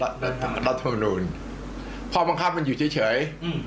รัฐธรรมนูลข้อบังคับมันอยู่เฉยอืม